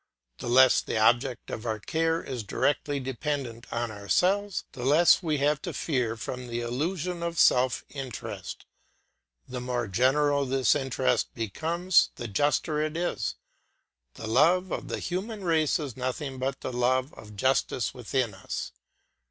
The less the object of our care is directly dependent on ourselves, the less we have to fear from the illusion of self interest; the more general this interest becomes, the juster it is; and the love of the human race is nothing but the love of justice within us.